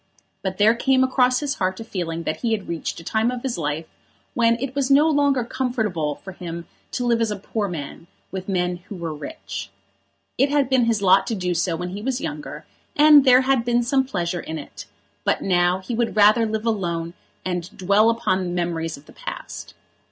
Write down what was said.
But there came across his heart a feeling that he had reached a time of life in which it was no longer comfortable for him to live as a poor man with men who were rich. It had been his lot to do so when he was younger, and there had been some pleasure in it; but now he would rather live alone and dwell upon the memories of the past.